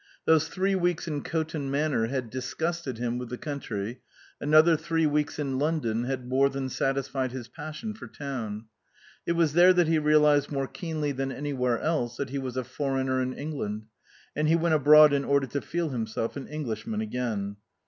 Those three weeks in Coton Manor had disgusted him with the coun try, another three weeks in London had more than satisfied his passion for town. It was there that he realized more keenly than any where else that he was a foreigner in England, and he went abroad in order to feel himself an Englishman again.